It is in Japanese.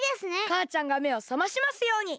かあちゃんがめをさましますように！